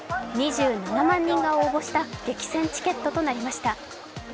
２７万人が応募した激戦チケットとなりました。